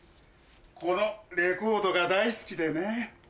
このレコードが大好きでね。